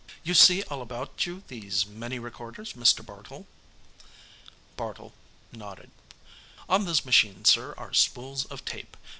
"You see all about you these many recorders, Mr. Bartle?" Bartle nodded. "On those machines, sir, are spools of tape.